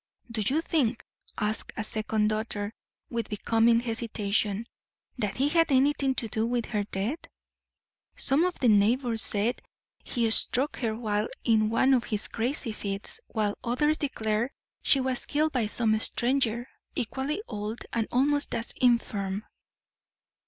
"Do you think," asked a second daughter with becoming hesitation, "that he had anything to do with her death? Some of the neighbours say he struck her while in one of his crazy fits, while others declare she was killed by some stranger, equally old and almost as infirm."